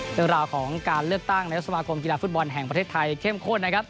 เรื่องราวของการเลือกตั้งนายกสมาคมกีฬาฟุตบอลแห่งประเทศไทยเข้มข้นนะครับ